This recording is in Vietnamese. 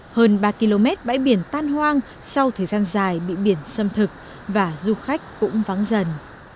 hơn ba km bãi biển tan hoang sau thời gian dài bị biển xâm thực và du khách cũng vắng dần